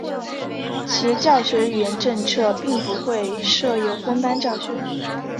其教学语言政策并不会设有分班教学。